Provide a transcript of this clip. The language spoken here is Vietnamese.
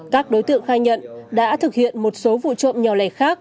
các đối tượng khai nhận đã thực hiện một số vụ trộm nhỏ lẻ khác